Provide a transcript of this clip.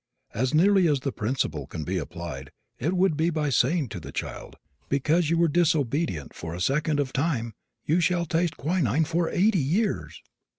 As nearly as the principle can be applied it would be by saying to the child, "Because you were disobedient for a second of time you shall taste quinine for eighty years!"